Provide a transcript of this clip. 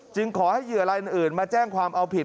ขอให้เหยื่อรายอื่นมาแจ้งความเอาผิด